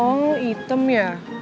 oh hitam ya